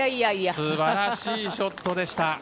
素晴らしいショットでした。